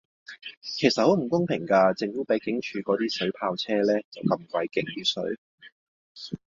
其實好唔公平架，政府比警署嗰啲水炮車呢就咁鬼勁啲水